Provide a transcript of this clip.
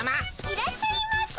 いらっしゃいませ。